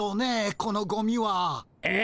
このゴミは。え？